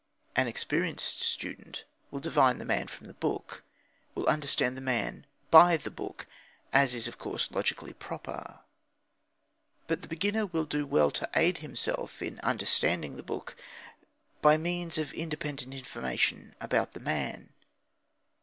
An experienced student will divine the man from the book, will understand the man by the book, as is, of course, logically proper. But the beginner will do well to aid himself in understanding the book by means of independent information about the man.